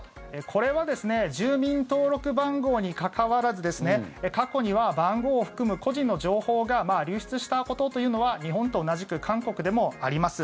これは住民登録番号に関わらず過去には番号を含む個人の情報が流出したことというのは日本と同じく韓国でもあります。